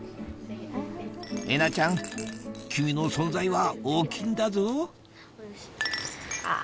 えなちゃん君の存在は大きいんだぞ！